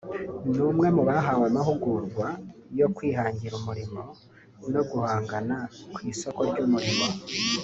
ni umwe mu bahawe amahugurwa yo kwihangira umurimo no guhangana ku isoko ry’umurimo